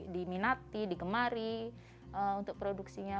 diminati digemari untuk produksinya